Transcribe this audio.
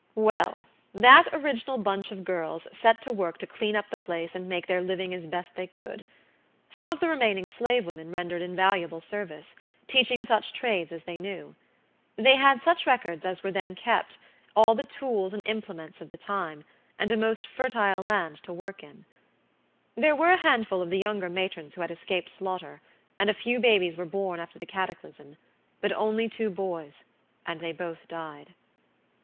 Well that original bunch of girls set to work to clean up the place and make their living as best they could. Some of the remaining slave women rendered invaluable service, teaching such trades as they knew. They had such records as were then kept, all the tools and implements of the time, and a most fertile land to work in. There were a handful of the younger matrons who had escaped slaughter, and a few babies were born after the cataclysm but only two boys, and they both died.